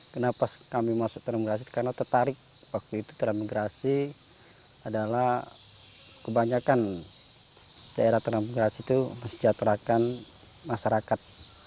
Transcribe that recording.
kenapa kami masuk transmigrasi karena tertarik waktu itu transmigrasi adalah kebanyakan daerah transmigrasi itu mesejahterakan masyarakat